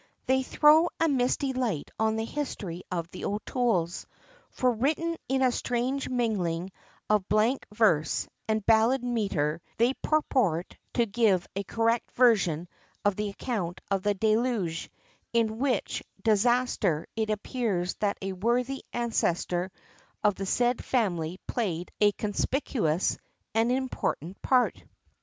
They throw a misty light on the history of the O'Tooles, for written in a strange mingling of blank verse, and ballad metre, they purport to give a correct version of the account of the Deluge; in which disaster, it appears that a worthy ancestor of the said family played a conspicuous, and important part.